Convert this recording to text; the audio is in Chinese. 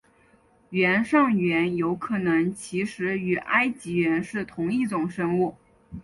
原上猿有可能其实与埃及猿是同一种生物。